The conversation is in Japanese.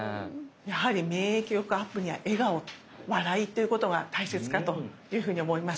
やはり免疫力アップには笑顔笑いっていうことが大切かというふうに思います。